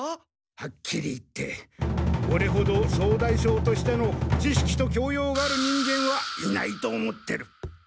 はっきり言ってオレほど総大将としての知識と教養がある人間はいないと思ってる！